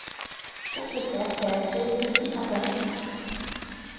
Pour ce faire, elle a créé deux sites internet fictifs.